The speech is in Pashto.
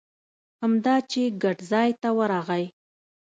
همدا چې ګټ ځای ته ورغی.